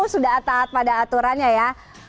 sudah taat pada aturannya ya